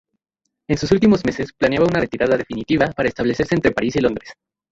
En sus últimos meses, planeaba una retirada definitiva para establecerse entre París y Londres.